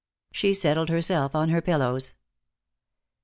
She settled herself on her pillows.